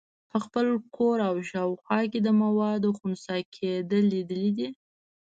په خپل کور او شاوخوا کې د موادو خسا کیدل لیدلي دي.